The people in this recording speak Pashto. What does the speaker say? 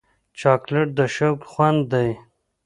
چاکلېټ د شوق خوند دی.